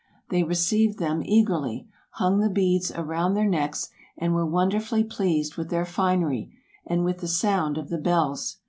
They received them eagerly, hung the beads round their necks, and were wonderfully pleased with their finery, and with the sound of the bells.